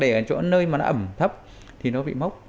để ở chỗ nơi mà nó ẩm thấp thì nó bị mốc